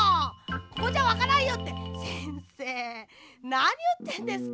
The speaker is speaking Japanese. ここじゃわからんよ」ってせんせいなにいってんですか？